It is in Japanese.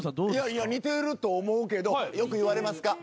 似てると思うけどよく言われますか？